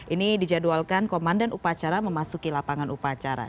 ini dijadwalkan komandan upacara memasuki lapangan upacara